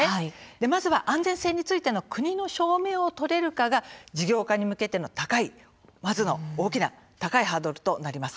まずは安全性についての国の証明を取れるかどうかが事業化に向けてのまず大きな高いハードルとなります。